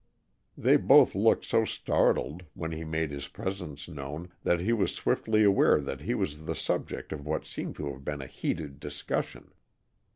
They both looked so startled, when he made his presence known, that he was swiftly aware that he was the subject of what seemed to have been a heated discussion.